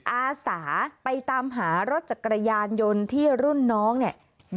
อาสาไปตามหารถจักรยานยนต์ที่รุ่นน้องเนี่ย